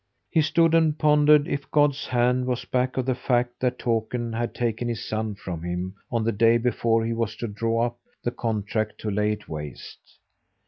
He stood and pondered if God's hand was back of the fact that Takern had taken his son from him on the day before he was to draw up the contract to lay it waste.